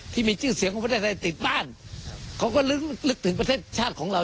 ที่มีชื่อเสียงของประเทศไทยติดบ้านเขาก็ลึกถึงประเทศชาติของเรา